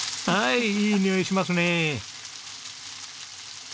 いいにおいしますね。